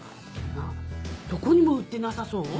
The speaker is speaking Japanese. あっどこにも売ってなさそう。